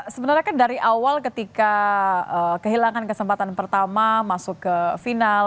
sebenarnya kan dari awal ketika kehilangan kesempatan pertama masuk ke final